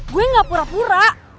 gue gak pura dua